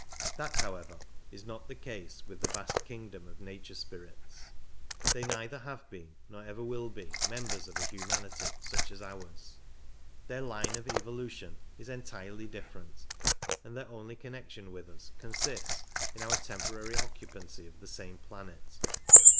That, however, is not the case with the vast kingdom of nature spirits ; they neither have been, nor ever will be, members of a humanity such as ours ; their line of evolution is entirely different, and their 58 only connection with us consists in our temporary occupancy of the same planet.